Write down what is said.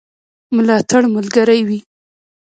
ملاتړ ملګری وي.